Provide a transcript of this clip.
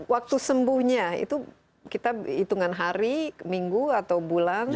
waktu sembuhnya itu kita hitungan hari minggu atau bulan